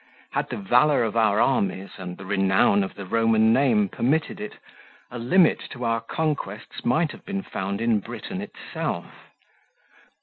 Had the valour of our armies and the renown of the Roman name permitted it, a limit to our conquests might have been found in Britain itself.